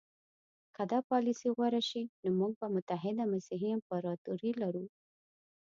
که دا پالیسي غوره شي نو موږ به متحده مسیحي امپراطوري لرو.